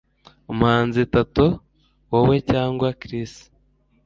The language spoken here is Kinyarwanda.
umuhanzi tattoo wowe cyangwa Chris?